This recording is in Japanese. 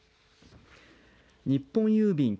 日本郵便